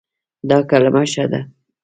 دا کلمه ښه ده